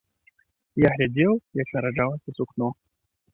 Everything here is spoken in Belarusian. Я глядзеў, як нараджалася сукно.